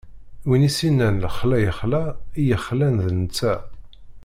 Win i s-innan lexla ixla, i yexlan d netta.